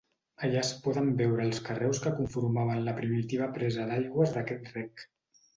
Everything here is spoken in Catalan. Allà es poden veure els carreus que conformaven la primitiva presa d'aigües d'aquest rec.